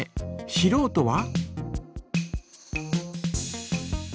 しろうとは？